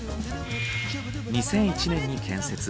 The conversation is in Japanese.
２００１年に建設。